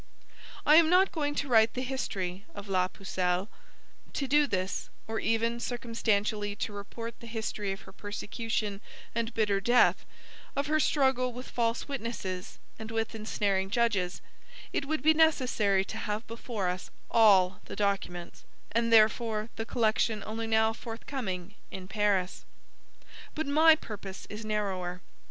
I am not going to write the History of La Pucelle: to do this, or even circumstantially to report the history of her persecution and bitter death, of her struggle with false witnesses and with ensnaring judges, it would be necessary to have before us all the documents, and, therefore, the collection only now forthcoming in Paris. But my purpose is narrower.